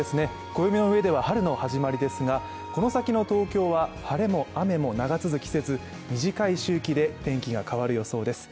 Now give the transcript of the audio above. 暦の上では春の始まりですがこの先の東京は晴れも雨も長続きせず短い周期で天気が変わる予想です。